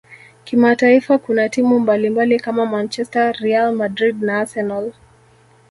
kimataifa kuna timu mbalimbali kama manchester real Madrid na arsenal